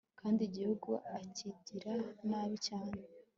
kandi igihugu akigirira nabi cyane